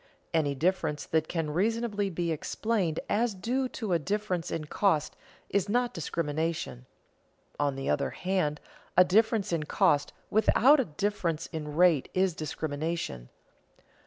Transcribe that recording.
Any difference that can reasonably be explained as due to a difference in cost is not discrimination; on the other hand a difference in cost without a difference in rate is discrimination.